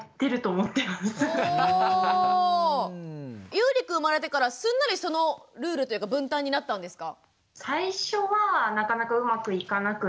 ゆうりくん生まれてからすんなりそのルールというか分担になったんですか？